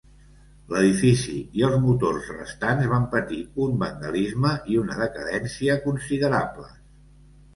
L'edifici i els motors restants van patir un vandalisme i una decadència considerables.